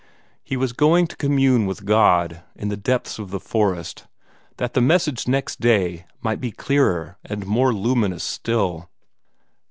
He was going to commune with God in the depths of the forest, that the Message next day might be clearer and more luminous still.